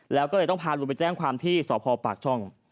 แล้วก็เลยต้องพาลุงไปแจ้งความที่สพปากช่อง